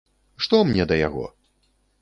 Што мне да яго!